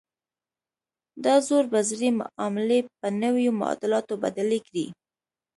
دا زور به زړې معاملې په نویو معادلاتو بدلې کړي.